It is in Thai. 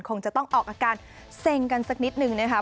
คงจะต้องออกอาการเซ็งกันสักนิดนึงนะคะ